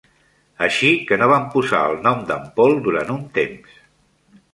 Així que no vam posar el nom d'en Paul durant un temps.